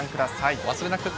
お忘れなく。